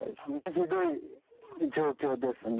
ひどい状況ですね。